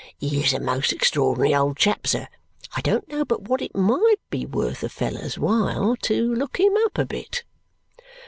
He is a most extraordinary old chap, sir. I don't know but what it might be worth a fellow's while to look him up a bit."